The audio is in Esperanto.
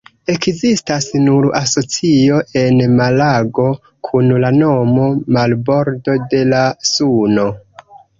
Ekzistas nun asocio en Malago, kun la nomo «Marbordo de la Suno».